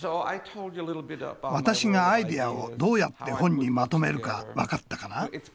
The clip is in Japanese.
私がアイデアをどうやって本にまとめるか分かったかな？